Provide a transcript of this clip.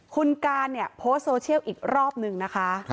คุณการเนี่ยโพสต์โซเชียลอีกรอบหนึ่งนะคะ